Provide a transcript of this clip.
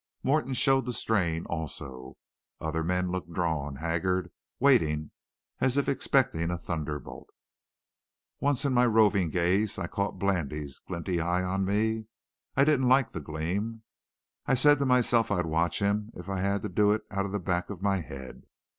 Morton showed the strain, also. Other men looked drawn, haggard, waiting as if expecting a thunderbolt. Once in my roving gaze I caught Blandy's glinty eye on me. I didn't like the gleam. I said to myself I'd watch him if I had to do it out of the back of my head.